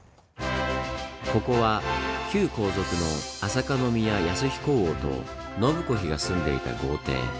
ここは旧皇族の朝香宮鳩彦王と允子妃が住んでいた豪邸。